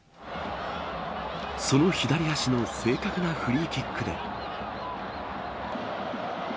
その左足の正確なフリーキックで。